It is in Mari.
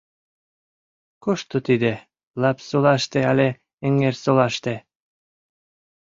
Кушто тиде, Лапсолаште але Эҥерсолаште?